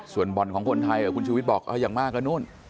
ส่วนบ่อนของคนไทยคุณชูวิทย์บอกอย่างมากก็นู่น